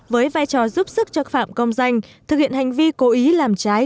với vai trò giúp sức cho phạm công danh thực hiện hành vi cố ý làm trái